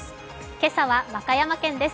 今朝は和歌山県です。